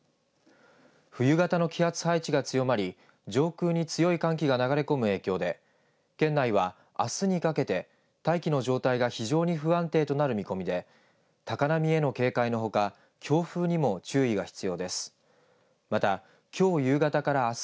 冬型の気圧配置が強まり上空に強い寒気が流れ込む影響で県内は、あすにかけて大気の状態が非常に不安定となる見込みで高波への警戒のほか強風にも注意が必要です。